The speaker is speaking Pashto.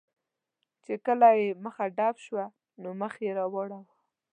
چې کله یې مخه ډب شوه، نو مخ یې را واړاوه.